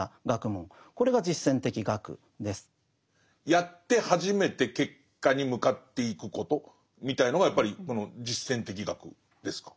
やって初めて結果に向かっていくことみたいのがやっぱりこの実践的学ですか？